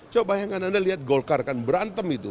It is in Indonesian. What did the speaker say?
coba bayangkan anda lihat golkar kan berantem itu